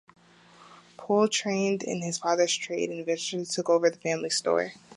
Poole trained in his father's trade and eventually took over the family store.